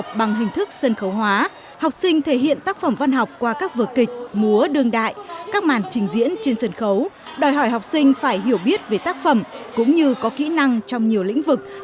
trong sân khấu các em diễn phía dưới nhiều khách mời học sinh và các thầy cô giáo